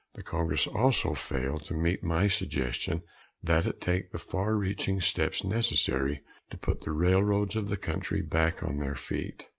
The Congress also failed to meet my suggestion that it take the far reaching steps necessary to put the railroads of the country back on their feet.